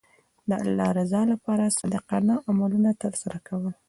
د الله رضا لپاره د صادقانه عملونو ترسره کول.